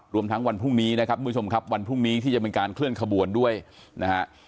รวมทั้งวันพรุ่งนี้นะครับทุกผู้ชมครับวันพรุ่งนี้ที่จะมีการเคลื่อนขบวนด้วยนะฮะ